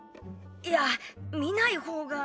いや見ない方が。